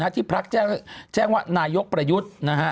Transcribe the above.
ที่พลักษณ์แจ้งว่านายกประยุทธ์นะฮะ